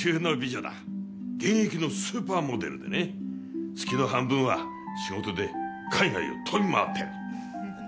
現役のスーパーモデルでね月の半分は仕事で海外を飛び回ってる。